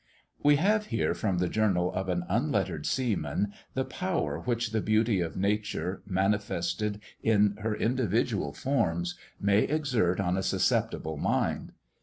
We have here, from the journal of an unlettered seaman, the power which the beauty of nature, manifested in her individual forms, may exert on a susceptible mind.